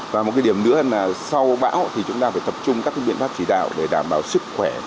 và một cái điểm nữa là sau bão thì chúng ta phải tập trung các biện pháp chỉ đạo để đảm bảo sức khỏe